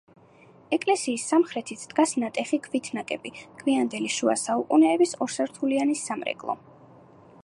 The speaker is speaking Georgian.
ეკლესიის სამხრეთით დგას ნატეხი ქვით ნაგები, გვიანდელი შუა საუკუნეების ორსართულიანი სამრეკლო.